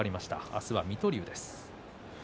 明日は水戸龍です。